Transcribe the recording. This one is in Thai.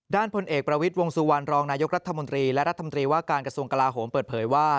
พลเอกประวิทย์วงสุวรรณรองนายกรัฐมนตรีและรัฐมนตรีว่าการกระทรวงกลาโหมเปิดเผยว่า